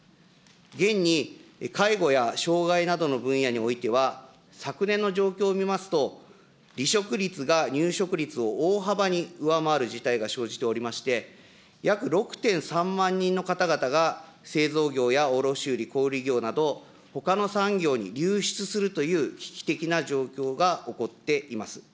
現に、介護や障害などの分野においては、昨年の状況を見ますと、離職率が入職率を大幅に上回る事態が生じておりまして、約６．３万人の方々が、製造業や卸売り、小売り業など、ほかの産業に流出するという危機的な状況が起こっています。